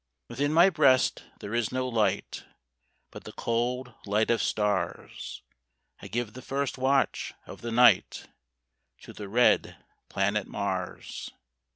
Within my breast there is no light, But the cold light of stars; I give the first watch of the night To the red planet Mars.